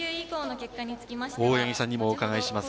大八木さんにもお伺いします。